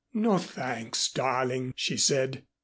"No, thanks, darling," she said.